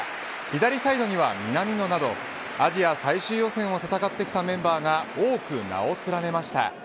左サイドには南野などアジア最終予選を戦ってきたメンバーが多く名を連ねました。